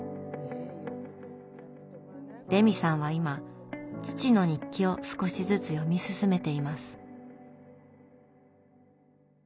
レミさんは今父の日記を少しずつ読み進めています。